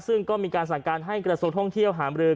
ซึ่งก็มีการสั่งการให้กระทรวงท่องเที่ยวหามรือ